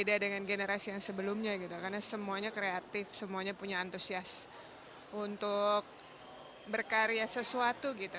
beda dengan generasi yang sebelumnya gitu karena semuanya kreatif semuanya punya antusias untuk berkarya sesuatu gitu